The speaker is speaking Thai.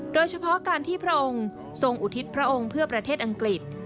โดยเฉพาะการที่พระองค์ทรงอุทิศพระองค์เพื่อประเทศอังกฤษ